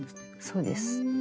そうです。